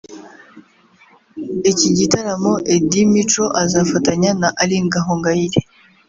Icyi gitaramo Eddie Mico azafatanya na Aline Gahongayire